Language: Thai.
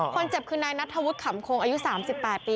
คนเจ็บคือนายนัทธวุฒิขำคงอายุ๓๘ปี